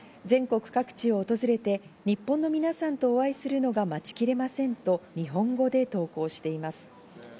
全国各地を訪れて日本の皆さんとお会いするのが待ちきれませんと日本語で投稿しています。